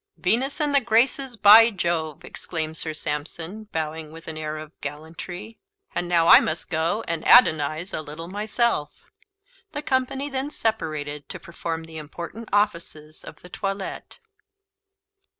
"Venus and the Graces, by Jove!" exclaimed Sir Sampson, bowing with an air of gallantry; "and now I must go and adonise a little myself." The company then separated to perform the important offices of the toilet.